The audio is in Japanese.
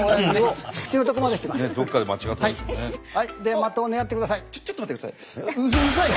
的を狙ってください。